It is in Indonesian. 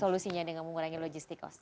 solusinya dengan mengurangi logistik cost